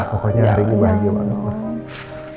pokoknya hari ini bahagia banget